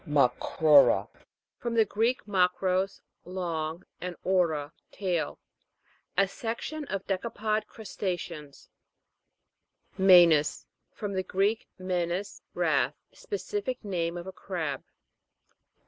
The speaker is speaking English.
MACROU'RA. From the Greek, ma kros, long, and oura, tail. A sec tion of decapod crusta'ceans. M^E'NAS. From the Greek, menis, wrath. Specific name of a crab.